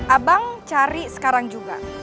abang cari sekarang juga